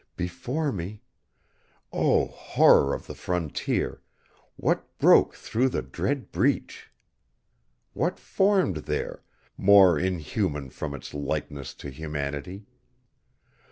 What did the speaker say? Before me Oh Horror of the Frontier, what broke through the dread Breach. What formed there, more inhuman from Its likeness to humanity?